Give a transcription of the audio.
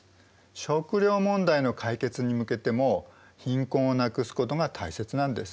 食料問題の解決に向けても貧困をなくすことが大切なんです。